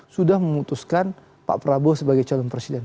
sudah memutuskan pak prabowo sebagai calon presiden